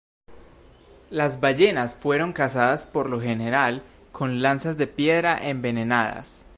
Las ballenas fueron cazadas por lo general con lanzas de piedra envenenadas.